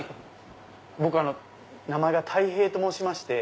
僕名前がたい平と申しまして。